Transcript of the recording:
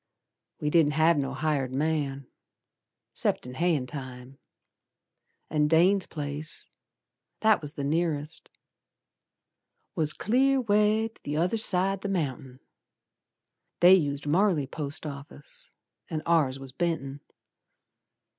We didn't have no hired man, 'Cept in hayin' time; An' Dane's place, That was the nearest, Was clear way 'tother side the mountain. They used Marley post office An' ours was Benton.